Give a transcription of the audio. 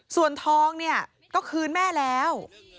ส่วนทองเนี่ยก็คืนแม่แล้ว